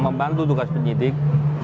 membantu tugas penyitik